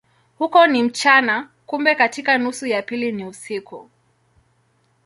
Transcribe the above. Huko ni mchana, kumbe katika nusu ya pili ni usiku.